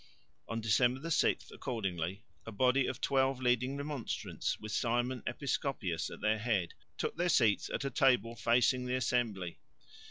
On December 6 accordingly, a body of twelve leading Remonstrants with Simon Episcopius at their head took their seats at a table facing the assembly.